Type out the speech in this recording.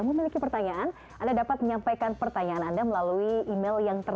tapi tidak ada yang tidak mungkin